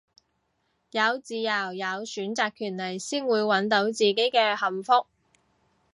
有自由有選擇權利先會搵到自己嘅幸福